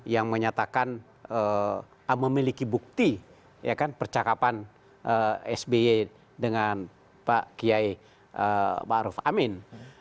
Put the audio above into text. yang menyatakan memiliki bukti percakapan sby dengan pak kiai ma'ruf amin